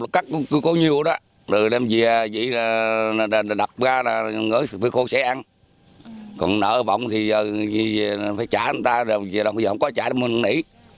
cắt cũng có nhiều đó rồi đem về đập ra ngửi phía khu sẽ ăn còn nở vọng thì phải trả người ta rồi giờ không có trả mình nỉ